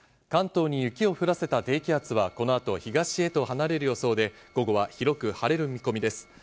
関東に雪を降らせた低気圧はこの後、東へと離れる予想で午後は広く晴れる見込みです。